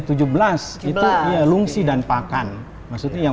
itu belum di pewarnaan